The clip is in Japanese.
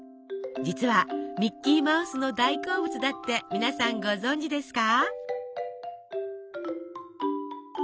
実はミッキーマウスの大好物だって皆さんご存じですか？